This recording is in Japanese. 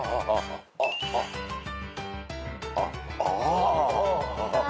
あっああ。